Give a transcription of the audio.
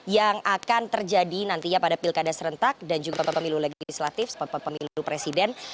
yang akan terjadi nantinya pada pilkada serentak dan juga pemilu legislatif pemilu presiden